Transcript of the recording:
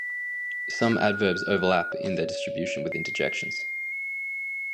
Some adverbs overlap in their distribution with interjections.